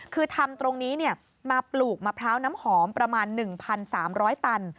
คือทำตรงนี้มาปลูกมะพร้าวน้ำหอมประมาณ๑๓๐๐ตัน